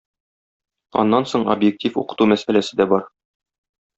Аннан соң объектив укыту мәсьәләсе дә бар.